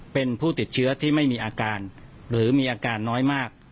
เป็นผู้ติดเชื้อที่ไม่มีอาการหรือมีอาการน้อยมาก